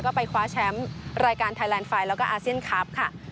ก็ไปคว้าแชมป์รายการไทยแลนด์ไฟแล้วก็อาเซียนคลับค่ะ